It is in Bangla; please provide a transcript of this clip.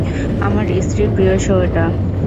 আমার স্ত্রীর প্রিয় শো এটা!